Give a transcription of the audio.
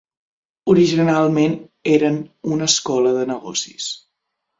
Originalment eren una escola de negocis.